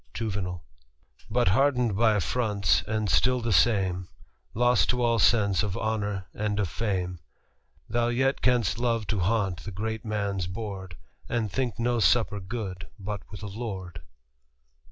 Juv. '* But hardened by affronts, and still the same, Lost to all sense of honour and of fame, Thou yet canst love to haunt the great man's board, And think no supper good but with a lord.'